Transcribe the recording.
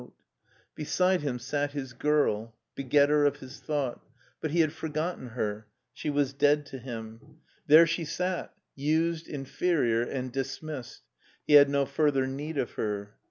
HEIDELBERG 53 Beside him sat his girl, begetter of his thought, but he had forgotten her; she was dead to him. There she sat — ^used, inferior, and dismissed, he had no further need of her.